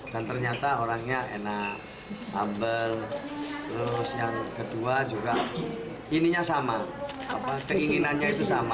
dan ternyata orangnya enak ambil terus yang kedua juga ininya sama keinginannya itu sama